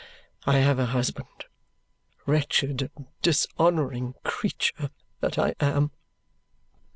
I have a husband, wretched and dishonouring creature that I am!"